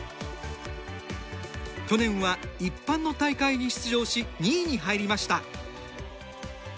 去年は、一般の大会に出場し２位に入りました。